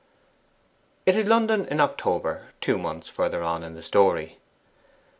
It is London in October two months further on in the story.